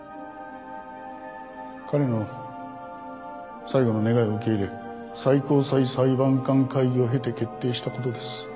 彼の最後の願いを受け入れ最高裁裁判官会議を経て決定したことです。